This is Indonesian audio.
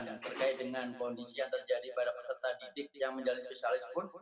yang terkait dengan kondisi yang terjadi pada peserta didik yang menjadi spesialis pun